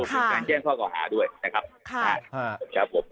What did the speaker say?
การแจ้งข้อก่อหาด้วยนะครับ